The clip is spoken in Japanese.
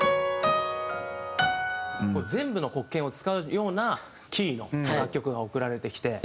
全部の黒鍵を使うようなキーの楽曲が送られてきて。